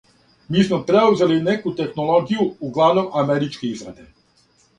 Ми смо преузели неку технологију, углавном америчке израде.